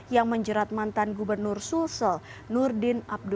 yang menjerat mantan gubernur sulsel nurdin abdul